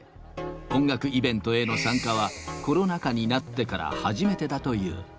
音楽イベントへの参加は、コロナ禍になってから初めてだという。